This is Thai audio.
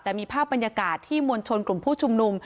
แต่มีภาพบรรยากาศที่มวลชนกลุ่มผู้ชุมนุม